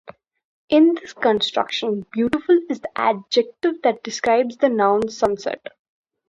In this construction, "beautiful" is the adjective that describes the noun "sunset."